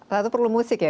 satu perlu musik ya